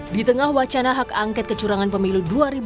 di tengah wacana hak angket kecurangan pemilu dua ribu dua puluh